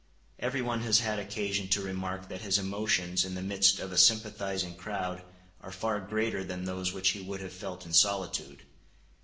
Every one has had occasion to remark that his emotions in the midst of a sympathizing crowd are far greater than those which he would have felt in solitude.